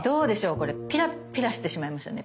これピラッピラしてしまいましたね。